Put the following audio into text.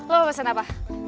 lo mau pesen apa